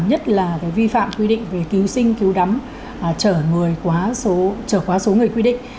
nhất là vi phạm quy định về cứu sinh cứu đắm chở quá số người quy định